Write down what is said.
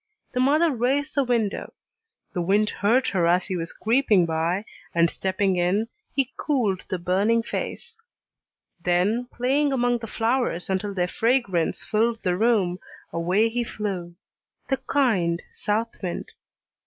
The mother raised the window. The wind heard her as he was creeping by, and stepping in, he cooled the burning face: then, playing among the flowers until their fragrance filled the room, away he flew, the kind south wind!